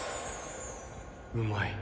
うまい！